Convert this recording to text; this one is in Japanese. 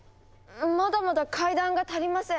まだまだ階段が足りません。